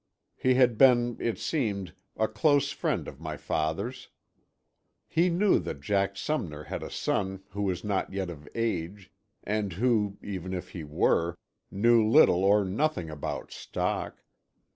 He had been, it seemed, a close friend of my father's. He knew that Jack Sumner had a son who was not yet of age, and who, even if he were, knew little or nothing about stock.